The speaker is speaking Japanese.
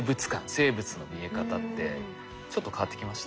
生物の見え方ってちょっと変わってきました？